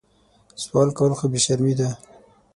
سوال کول خو بې شرمي ده